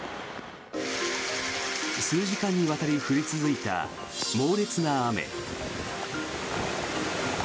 数時間にわたり降り続いた猛烈な雨。